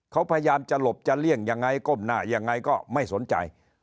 เขาพยายามจะหลบจะเลี่ยงยังไงก้มหน้ายังไงก็ไม่สนใจ